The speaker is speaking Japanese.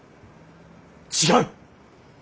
違う！